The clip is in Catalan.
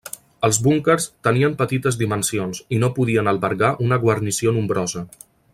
Els búnquers tenien petites dimensions, i no podien albergar una guarnició nombrosa.